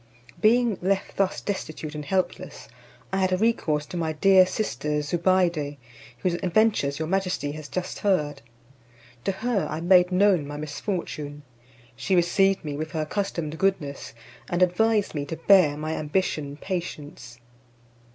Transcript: Being left thus destitute and helpless, I had recourse to my dear sister Zobeide, whose adventures your majesty has just heard. To her I made known my misfortune; she received me with her accustomed goodness, and advised me to bear my ambition patience.